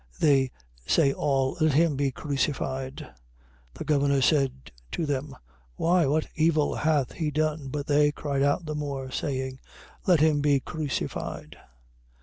They say all: Let him be crucified. 27:23. The governor said to them: Why, what evil hath he done? But they cried out the more, saying: Let him be crucified.